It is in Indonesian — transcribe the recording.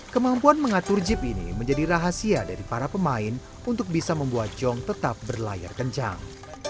kemampuan mengatur jeep ini menjadi rahasia dari para pemain untuk bisa membuat jong tetap berlayar kencang